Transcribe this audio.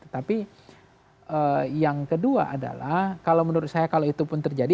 tapi yang kedua adalah kalau menurut saya kalau itu pun terjadi